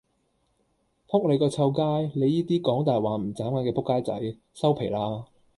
仆你個臭街，你依啲講大話唔眨眼嘅仆街仔，收皮啦